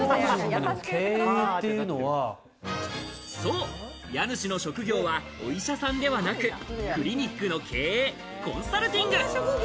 そう、家主の職業はお医者さんではなくクリニックの経営、コンサルティング。